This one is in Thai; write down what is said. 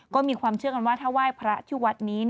ก็มีความเชื่อกันว่าถ้าไหว้พระที่วัดนี้